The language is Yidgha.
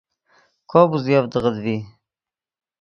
کوپ اوزیڤدغت ڤی